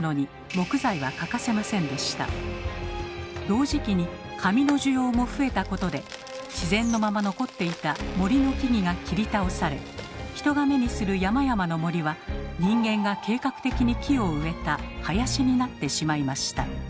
同時期に紙の需要も増えたことで自然のまま残っていた「森」の木々が切り倒され人が目にする山々の森は人間が計画的に木を植えた「林」になってしまいました。